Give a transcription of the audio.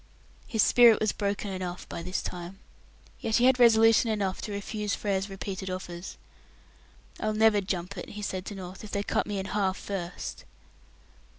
His "spirit" was broken enough by this time. Yet he had resolution enough to refuse Frere's repeated offers. "I'll never 'jump' it," he said to North, "if they cut me in half first."